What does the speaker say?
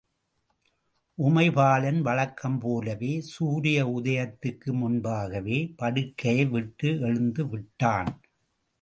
உமைபாலன் வழக்கம்போலவே சூரிய உதயத்துக்கு முன்பாகவே படுக்கையை விட்டு எழுந்துவிட்டான்.